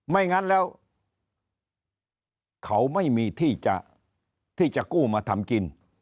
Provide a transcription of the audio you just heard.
ไม่งั้นแล้วเขาไม่มีที่จะกู้มาทำกิน